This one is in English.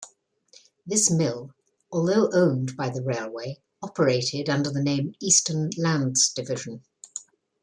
This mill, although owned by the railway, operated under the name Eastern Lands Division.